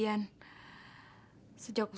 saya ingin menjaga kemampuanmu